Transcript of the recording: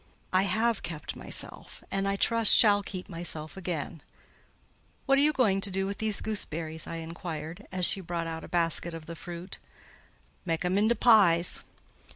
"I have kept myself; and, I trust, shall keep myself again. What are you going to do with these gooseberries?" I inquired, as she brought out a basket of the fruit. "Mak' 'em into pies."